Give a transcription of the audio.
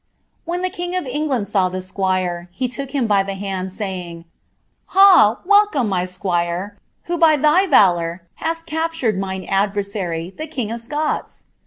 When the king of England saw the squire, he ook him by the hand, saying, ^ Ha ! welcome, my squire, who by thy rulour hast captured mine adversary, the king of Scots